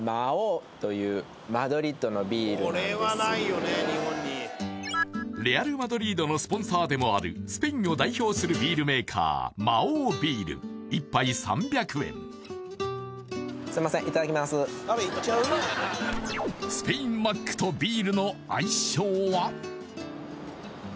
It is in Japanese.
うんババンレアル・マドリードのスポンサーでもあるスペインを代表するビールメーカーマオウビールスペインマックとビールの相性は？